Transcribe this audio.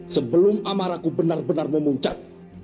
sebelum amaraku benar benar memuncak